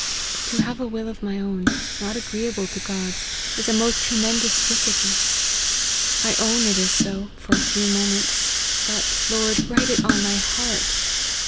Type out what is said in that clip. To have a will of my own, not agreeable to God's, is a most tremendous wickedness. I own it is so, for a few moments : but, Lord, write it on my heart!